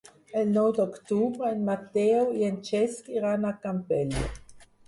El nou d'octubre en Mateu i en Cesc iran al Campello.